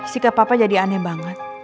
sikap papa jadi aneh banget